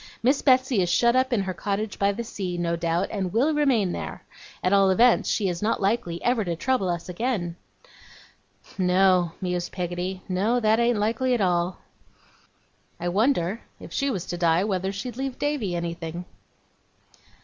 'Miss Betsey is shut up in her cottage by the sea, no doubt, and will remain there. At all events, she is not likely ever to trouble us again.' 'No!' mused Peggotty. 'No, that ain't likely at all. I wonder, if she was to die, whether she'd leave Davy anything?